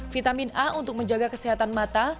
vitamin a untuk menjaga kesehatan mata